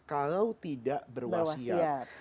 kalau tidak berwasiat